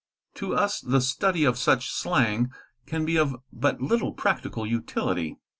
To us the study of such slang can be of but little practical utility.